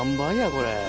これ。